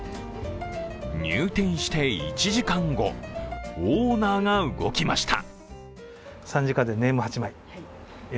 入店して１時間後オーナーが動きました。